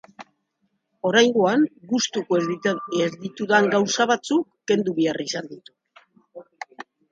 Oraingoan, gustuko ez ditudan gauza batzuk kendu behar izan ditut.